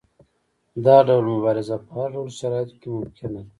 دا ډول مبارزه په هر ډول شرایطو کې ممکنه ده.